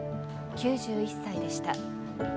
９１歳でした。